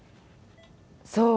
そう。